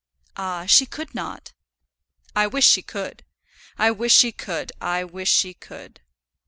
"Ah! she could not." "I wish she could. I wish she could. I wish she could."